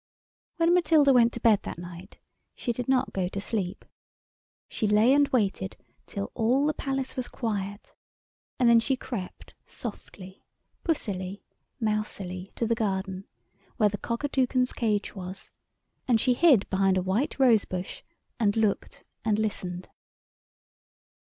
When Matilda went to bed that night, she did not go to sleep. She lay and waited till all the Palace was quiet, and then she crept softly, pussily, mousily to the garden, where the Cockatoucan's cage was, and she hid behind a white rosebush, and looked and listened.